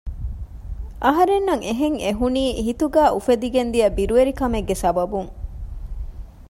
އަހަރެންނަށް އެހެން އެހުނީ ހިތުގައި އުފެދިގެންދިޔަ ބިރުވެރިކަމެއްގެ ސަބަބުން